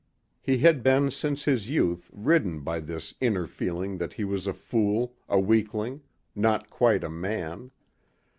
He had been since his youth ridden by this inner feeling that he was a fool, a weakling, not quite a man.